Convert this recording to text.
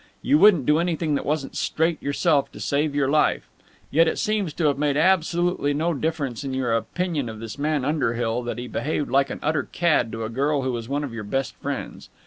You wouldn't do anything that wasn't straight yourself to save your life. Yet it seems to have made absolutely no difference in your opinion of this man Underhill that he behaved like an utter cad to a girl who was one of your best friends.